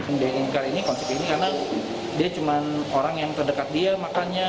dia ingin ikat ini konsep ini karena dia cuma orang yang terdekat dia makannya